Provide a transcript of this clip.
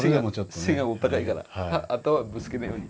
背がお高いから頭ぶつけないように。